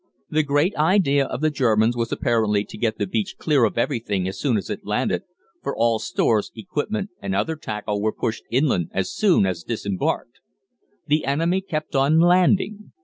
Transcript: The great idea of the Germans was apparently to get the beach clear of everything as soon as landed, for all stores, equipment, and other tackle were pushed inland as soon as disembarked. "The enemy kept on landing.